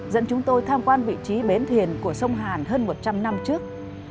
dẫn chúng tôi tham quan vị trí bến thuyền của sông hàn hơn một trăm linh năm trước